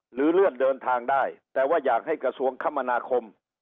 หรือเลื่อนเดินทางได้แต่ว่าอยากให้กระทรวงคมนาคม